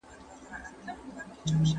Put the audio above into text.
ژوند په خپل سرعت سره روان دی.